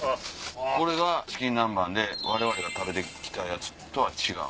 これがチキン南蛮で我々が食べて来たやつとは違う。